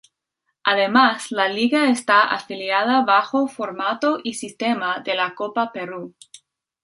Además la liga está afiliada bajo formato y sistema de la Copa Perú.